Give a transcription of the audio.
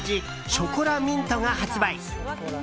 ショコラミントが発売。